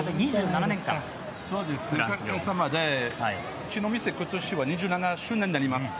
うちのお店は今年で２７周年になります。